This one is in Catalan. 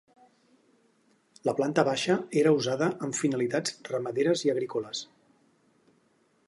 La planta baixa era usada amb finalitats ramaderes i agrícoles.